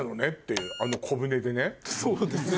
そうですね。